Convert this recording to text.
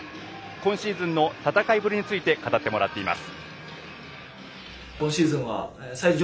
今シーズンの戦いぶりについて語ってもらっています。